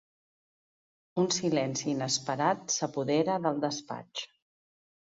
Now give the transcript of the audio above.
Un silenci inesperat s'apodera del despatx.